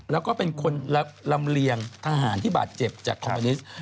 แล้วก็เป็นคนลำเลียงทหารที่บาดเจ็บจากคอมมิวนิสต์